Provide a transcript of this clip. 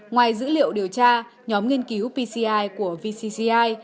ngoài dữ liệu điều tra nhóm nghiên cứu pci của vcci